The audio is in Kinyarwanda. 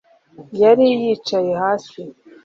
Yari yicaye hasi